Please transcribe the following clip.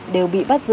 đều bị bắt giữ